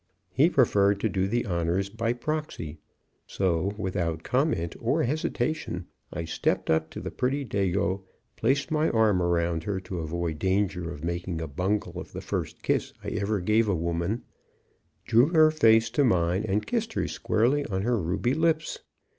He preferred to do the honors by proxy. So, without comment or hesitation, I stepped up to the pretty dago, placed my arm around her to avoid danger of making a bungle of the first kiss I ever gave a woman, drew her face to mine, and kissed her squarely on her ruby lips.